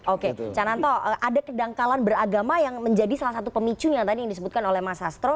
oke cananto ada kedanggalan beragama yang menjadi salah satu pemicunya yang tadi disebutkan oleh mas astro